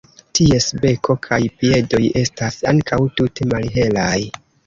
Ties beko kaj piedoj estas ankaŭ tute malhelaj.